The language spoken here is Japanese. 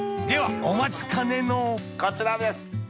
ではお待ちかねのこちらです！